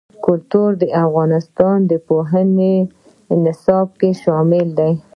کلتور د افغانستان د پوهنې نصاب کې شامل دي.